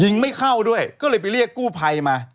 ไม่เข้าด้วยก็เลยไปเรียกกู้ภัยมา